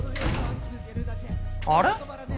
あれ？